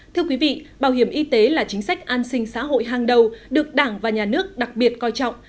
thưa quý vị bảo hiểm y tế là chính sách an sinh xã hội hàng đầu được đảng và nhà nước đặc biệt coi trọng